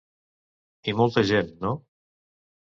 I molta gent, no?